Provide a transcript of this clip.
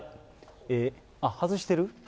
外してる？